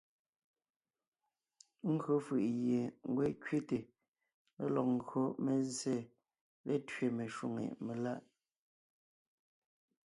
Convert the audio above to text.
Ńgÿo fʉ̀ʼ gie ngwɔ́ é kẅéte lélɔg ńgÿo mé zsé létẅé meshwóŋè meláʼ.